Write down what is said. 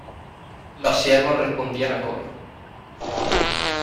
los siervos respondían a coro.